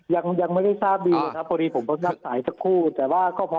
ยังไม่ได้ทราบดีเลยครับพอดีผมก็นับสายภาพพูด